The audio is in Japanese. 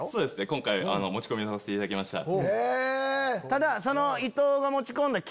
今回持ち込みさせていただきました。